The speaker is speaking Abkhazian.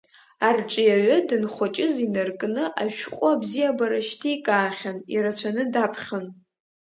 Арҿиаҩы данхәыҷыз инаркны ашәҟәы абзиабара шьҭикаахьан, ирацәаны даԥхьон.